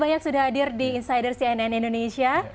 banyak sudah hadir di insider cnn indonesia